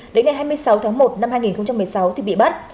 đến ngày hai mươi sáu tháng một năm hai nghìn một mươi sáu thì bị bắt